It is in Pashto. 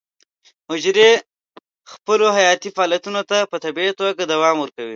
حجرې خپلو حیاتي فعالیتونو ته په طبیعي توګه دوام ورکوي.